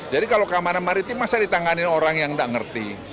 jadi kalau keamanan maritim masa ditanganin orang yang tidak ngerti